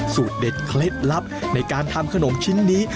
สูตรเด็ดเคล็ดลับในการทำขนมชิ้นนี้